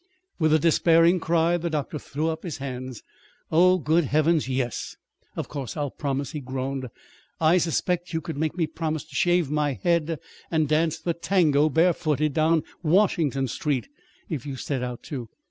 With a despairing cry the doctor threw up his hands. "Oh, good Heavens, yes! Of course I'll promise," he groaned. "I suspect you could make me promise to shave my head and dance the tango barefooted down Washington Street, if you set out to.